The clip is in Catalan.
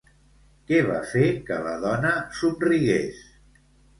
Què va fer que la dona somrigués?